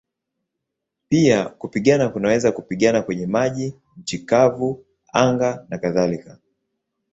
Pia kupigana kunaweza kupigana kwenye maji, nchi kavu, anga nakadhalika.